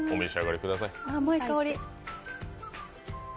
甘い香り。